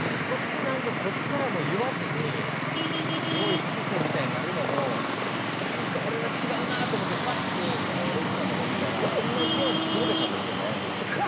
それで何かこっちからも言わずに用意させてみたいになるのも何か俺は違うなと思ってパッて奥さんの方見たらおんなじように鶴瓶さんの事で悩んでて。